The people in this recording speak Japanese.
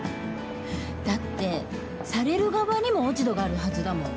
だって、される側にも落ち度があるはずだもん。